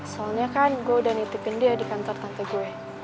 soalnya kan gue udah nitipin dia di kantor tante gue